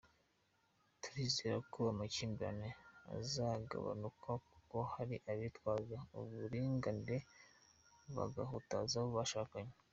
Turizera ko amakimbirane azagabanuka kuko hari abitwaza uburinganire bagahutaza abo bashakanye.